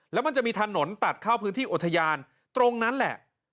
แล้วมันจะมีถนนตัดเข้าพื้นที่อุทยานตรงนั้นแหละ